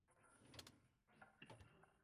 中华民国时期仍沿袭清代所置二十旗。